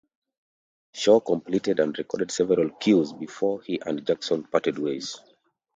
Shore completed and recorded several cues before he and Jackson parted ways.